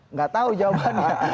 nggak tahu jawabannya